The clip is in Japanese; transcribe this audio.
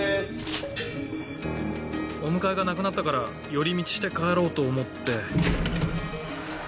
お迎えがなくなったから寄り道して帰ろうと思って。